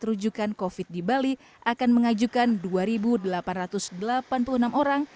yang terujukan covid sembilan belas di bali akan mengajukan dua delapan ratus delapan puluh enam orang